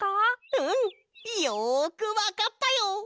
うん！よくわかったよ！